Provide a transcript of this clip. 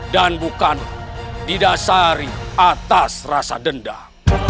dan bukan didasari atas rasa dendam